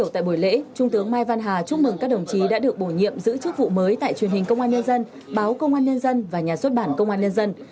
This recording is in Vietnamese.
tại buổi lễ trung tướng mai văn hà chúc mừng các đồng chí đã được bổ nhiệm giữ chức vụ mới tại truyền hình công an nhân dân báo công an nhân dân và nhà xuất bản công an nhân dân